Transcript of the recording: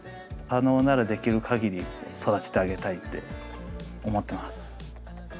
可能ならできる限り育ててあげたいって思ってます。